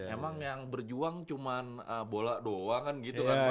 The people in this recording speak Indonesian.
emang yang berjuang cuma bola doang kan gitu kan